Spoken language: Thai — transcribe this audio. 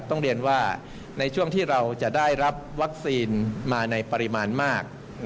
ต้องเรียนว่าในช่วงที่เราจะได้รับวัคซีนมาในปริมาณมาก